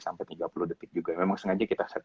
sampai tiga puluh detik juga memang sengaja kita set